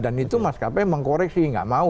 dan itu mas kp mengkoreksi nggak mau